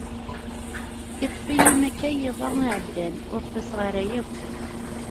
Yeṭṭef-iyi makay iḍ-a iɛeddan, ur ṭṭiseɣ ara yakk.